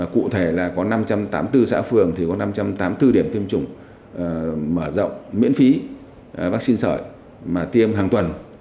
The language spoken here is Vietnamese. cụ thể là có năm trăm tám mươi bốn xã phường thì có năm trăm tám mươi bốn điểm tiêm chủng mở rộng miễn phí vaccine sợi mà tiêm hàng tuần